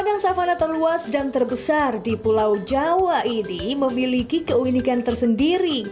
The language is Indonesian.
padang savana terluas dan terbesar di pulau jawa ini memiliki keunikan tersendiri